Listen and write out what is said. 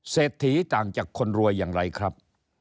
เศรษฐีต่างจากคนรวยอย่างไรครับ